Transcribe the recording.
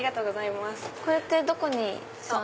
これってどこに座れば。